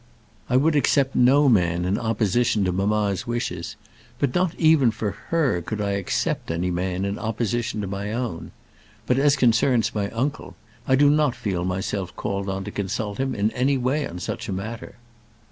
I would accept no man in opposition to mamma's wishes; but not even for her could I accept any man in opposition to my own. But as concerns my uncle, I do not feel myself called on to consult him in any way on such a matter."